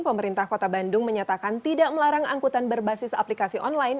pemerintah kota bandung menyatakan tidak melarang angkutan berbasis aplikasi online